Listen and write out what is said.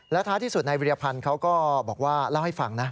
แล้วท้าที่สุดในวิริพันธุ์เขาก็บอกว่าเล่าให้ฟังนะ